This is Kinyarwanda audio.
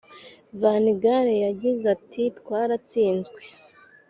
Van Gaal yagize ati “Twaratsinzwe